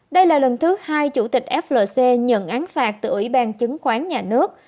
đây là lần thứ hai chủ tịch flc nhận án phạt từ ủy ban chứng khoán nhà nước